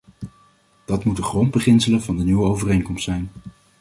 Dat moeten grondbeginselen van de nieuwe overeenkomst zijn.